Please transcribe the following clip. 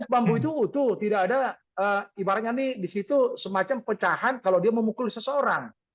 bambu itu utuh tidak ada ibaratnya nih di situ semacam pecahan kalau dia memukul seseorang